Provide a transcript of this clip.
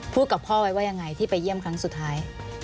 กับพ่อไว้ว่ายังไงที่ไปเยี่ยมครั้งสุดท้าย